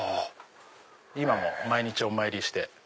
今も毎日お参りして。